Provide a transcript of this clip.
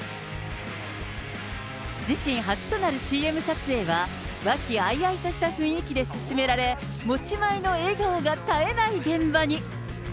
自身初となるＣＭ撮影は、和気あいあいとした雰囲気で進められ、持ち前の笑顔が絶えない現場に。